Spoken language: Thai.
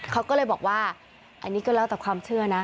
เขาก็เลยบอกว่าอันนี้ก็แล้วแต่ความเชื่อนะ